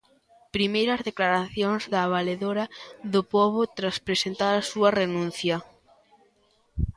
Primeiras declaracións da valedora do pobo tras presentar a súa renuncia.